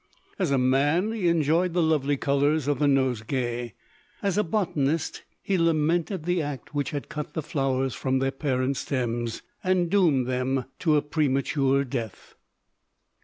As a man, he enjoyed the lovely colours of the nosegay. As a botanist, he lamented the act which had cut the flowers from their parent stems, and doomed them to a premature death.